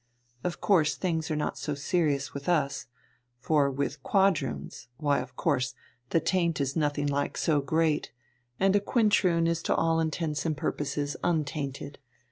Of course things are not so serious with us, for with quadroons why, of course, the taint is nothing like so great, and a quintroon is to all intents and purposes untainted.